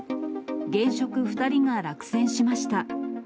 現職２人が落選しました。